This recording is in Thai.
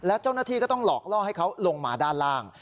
และเจ้าหน้าที่ก็ต้องหลอกล่อให้เขาลงมาด้านล่าง